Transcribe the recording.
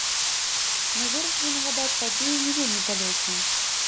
Мы вырашылі нагадаць падзеі не вельмі далёкія.